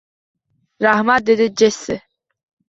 Rahmat, dedi Jessi